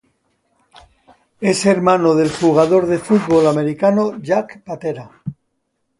Es hermano del jugador de fútbol americano Jack Patera.